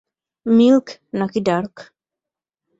Milk নাকি dark?